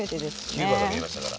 キューバが見えましたから。